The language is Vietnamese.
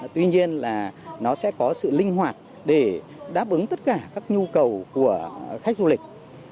tuy nhiên là nó sẽ có sự linh hoạt để đáp ứng tất cả các nhu cầu của khách du lịch